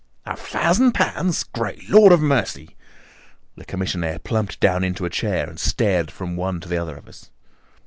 "A thousand pounds! Great Lord of mercy!" The commissionaire plumped down into a chair and stared from one to the other of us.